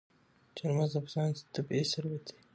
چار مغز د افغانستان طبعي ثروت دی.